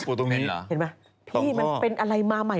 พี่มันมีอะไรมาใหม่